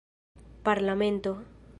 parlamento